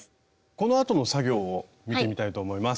このあとの作業を見てみたいと思います。